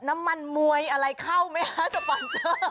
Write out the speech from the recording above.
น้ำมันมวยอะไรเข้าไหมฮะสปอนเซอร์